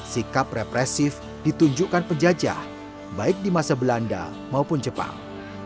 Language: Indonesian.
sikap represif ditunjukkan penjajah baik di masa belanda maupun jepang